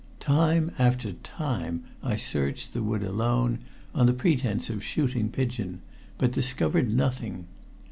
Time after time I searched the wood alone, on the pretense of shooting pigeon, but discovered nothing.